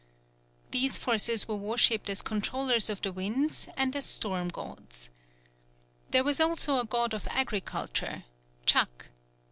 These forces were worshipped as controllers of the winds and as storm gods. There was also a god of Agriculture, Chac.